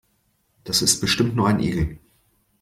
Das ist bestimmt nur ein Igel.